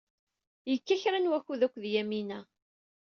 Yekka kra n wakud akked Yamina.